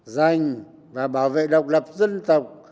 giành và bảo vệ độc lập dân tộc